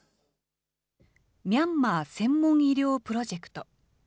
ミャンマー専門医療プロジェクト。